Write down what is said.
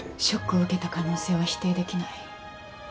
ショックを受けた可能性は否定できない。